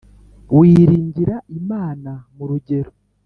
Wiringira Imana Mu Rugero